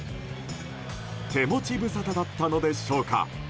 手持ちぶさただったのでしょうか。